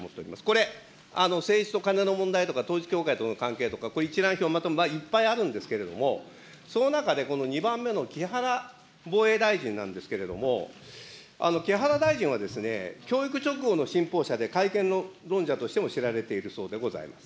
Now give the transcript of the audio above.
これ、政治とカネの問題とか、統一教会との関係とか、これ、一覧表、いっぱいあるんですけれども、その中でこの２番目の木原防衛大臣なんですけれども、木原大臣は教育勅語の信奉者で、改憲の論者としても知られているそうでございます。